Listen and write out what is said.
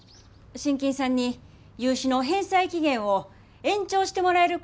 信金さんに融資の返済期限を延長してもらえることになりました。